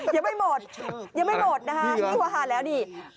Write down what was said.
ยังไม่หมดนะคะพี่วาฮาแล้วนี่